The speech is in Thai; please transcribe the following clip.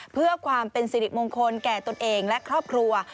เพื่อความเป็นสิริมงคลแก่ตนเองและครอบครัว